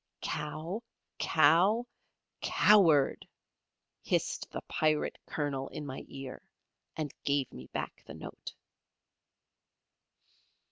"Cow cow coward," hissed the Pirate Colonel in my ear, and gave me back the note.